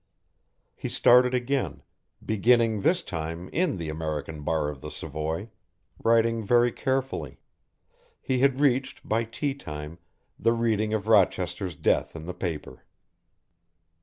He started again, beginning this time in the American bar of the Savoy, writing very carefully. He had reached, by tea time, the reading of Rochester's death in the paper.